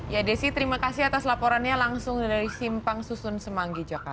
ya desi terima kasih atas laporannya langsung dari simpang susun semanggi jakarta